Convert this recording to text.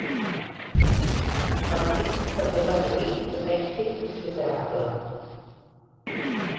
El disc també va lluir d’un èxit considerable.